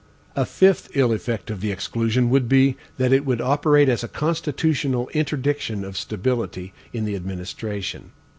A fifth ill effect of the exclusion would be, that it would operate as a constitutional interdiction of stability in the administration.